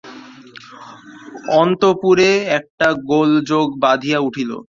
অন্তঃপুরে একটা গোলযোগ বাধিয়া উঠিল।